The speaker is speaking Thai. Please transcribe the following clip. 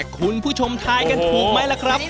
คุณผู้ชมทายกันถูกไหมล่ะครับ